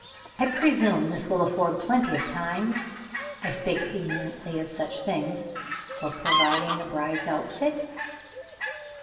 I presume this will afford plenty of time (I speak ignorantly of such things) for providing the bride's outfit?"